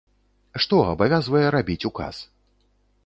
Што абавязвае рабіць ўказ?